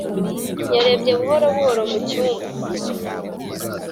yarebye buhoro buhoro mu cyumba,